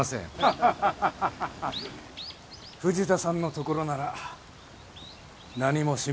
藤田さんのところなら何も心配してませんよ。